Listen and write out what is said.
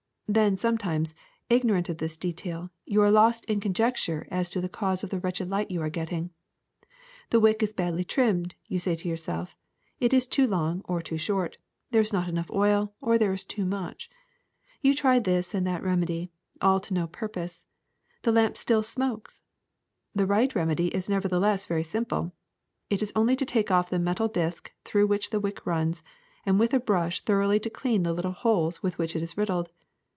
Then sometimes, ignorant of this detail, you are lost in conjecture as to the cause of the wretched light you are getting. The wick is badly trimmed, you say to yourself, it is too long or too short, there is not enough oil, or there is too much. You try this and that remedy, all to no purpose ; the lamp still smokes. The right remedy is nevertheless very simple: it is only to take off the metal disk through which the wick runs, and with a brush thoroughly to clean the little holes with which it is riddled.